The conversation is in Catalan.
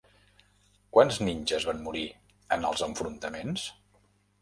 Quants ninges van morir en els enfrontaments?